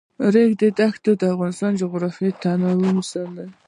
د ریګ دښتې د افغانستان د جغرافیوي تنوع مثال دی.